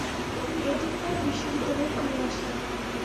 তিনি এডিনবার্গ বিশ্ববিদ্যালয়ে ফিরে আসেন।